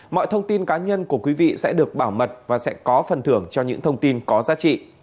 mọi thông tin cá nhân của quý vị sẽ được bảo mật và sẽ có phần thưởng cho những thông tin có giá trị